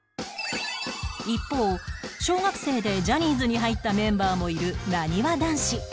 一方小学生でジャニーズに入ったメンバーもいるなにわ男子